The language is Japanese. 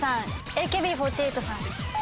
ＡＫＢ４８さん。